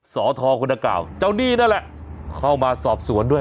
สทคนดังกล่าวเจ้าหนี้นั่นแหละเข้ามาสอบสวนด้วย